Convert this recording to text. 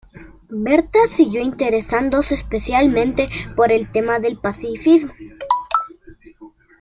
Bertha siguió interesándose especialmente por el tema del pacifismo.